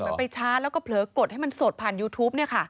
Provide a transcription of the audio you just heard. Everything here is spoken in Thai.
ใช่มันไปชาร์จแล้วก็เผลอกดให้มันสดผ่านยูทูปเนี่ยค่ะ